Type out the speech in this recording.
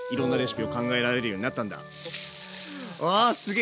ああすげえ！